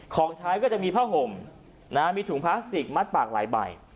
ของใช้ก็จะมีผ้าห่มมีถุงพลาสติกมัดปากหลายใบ